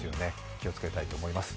気をつけたいと思います。